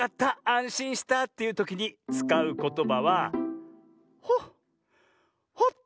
あんしんしたというときにつかうことばはホッ。